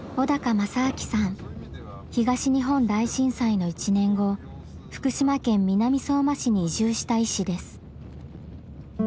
東日本大震災の１年後福島県南相馬市に移住した医師です。